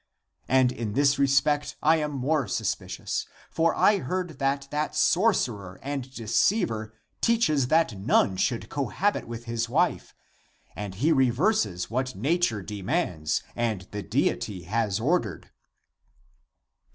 And in this respect I am more suspicious. For I heard that that sorcerer and deceiver teaches that none should cohabit with his wife, and he reverses what nature demands and the deity has ordered."